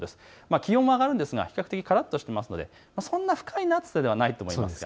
気温も上がるんですが比較的からっとしていますので不快な暑さではないと思います。